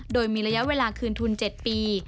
โดยมีระยะเวลาคืนทุน๗ปี